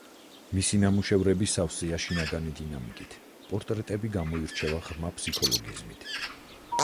მისი ნამუშევრები სავსეა შინაგანი დინამიკით; პორტრეტები გამოირჩევა ღრმა ფსიქოლოგიზმით.